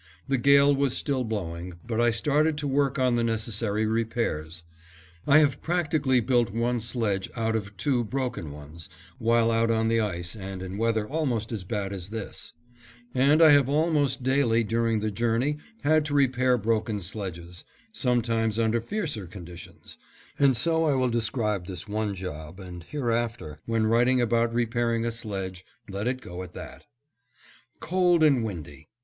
The gale was still blowing, but I started to work on the necessary repairs. I have practically built one sledge out of two broken ones, while out on the ice and in weather almost as bad as this; and I have almost daily during the journey had to repair broken sledges, sometimes under fiercer conditions; and so I will describe this one job and hereafter, when writing about repairing a sledge, let it go at that. Cold and windy.